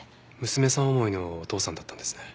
娘さん思いのお父さんだったんですね。